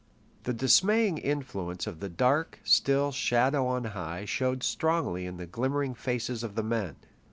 The dismaying influence of the dark, still shadow on high showed strongly in the glimmering faces of the men.